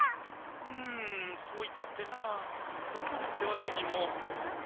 うんそういったってなこのままってわけにも。